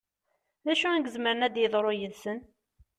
D acu i izemren ad d-yeḍru yid-sen?